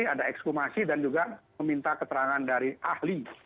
ada ekskumasi dan juga meminta keterangan dari ahli